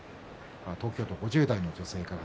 東京都５０代の女性から。